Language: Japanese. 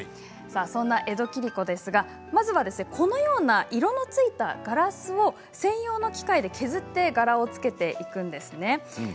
そんな江戸切子、このような色のついたガラスを専用の機械で削って柄をつけていくんです。